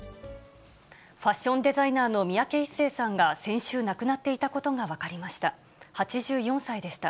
ファッションデザイナーの三宅一生さんが先週亡くなっていたことが分かりました。